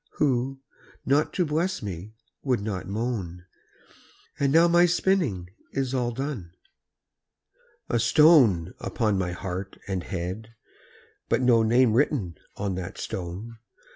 Who, not to bless me, would not moan. And now my spinning is all done. A stone upon my heart and head, But no name written on the stone!